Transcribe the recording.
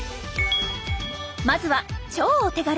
まずは超お手軽！